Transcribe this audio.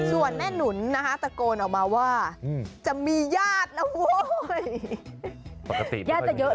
ส่วนแม่หนุนตะโกนออกมาว่าจะมีญาติแล้วเว้ย